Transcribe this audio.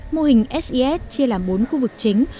mô hình ses chia làm bốn khu vực chính